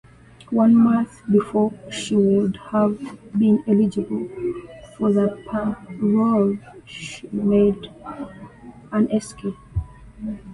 One month before she would have been eligible for parole, she made an escape.